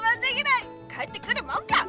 帰ってくるもんか！